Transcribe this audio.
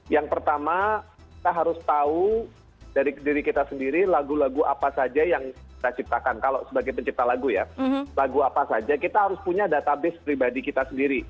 yang pertama kita harus tahu dari diri kita sendiri lagu lagu apa saja yang kita ciptakan kalau sebagai pencipta lagu ya lagu apa saja kita harus punya database pribadi kita sendiri